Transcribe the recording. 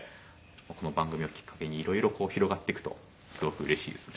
この番組をきっかけにいろいろ広がっていくとすごくうれしいですね。